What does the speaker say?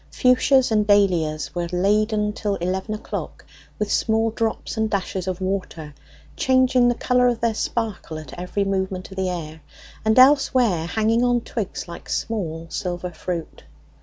Fuchsias and dahlias were laden till eleven o'clock with small drops and dashes of water, changing the colour of their sparkle at every movement of the air; and elsewhere hanging on twigs like small silver fruit.